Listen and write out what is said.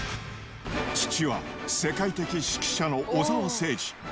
父は世界的指揮者の小澤征爾。